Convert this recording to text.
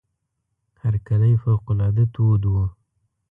هرکلی فوق العاده تود وو.